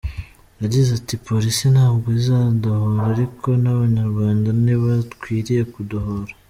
Yagize ati “Polisi ntabwo izadohora ariko n’Abanyarwanda ntibakwiriye kudohora.